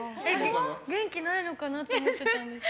元気ないのかなって思ってたんです。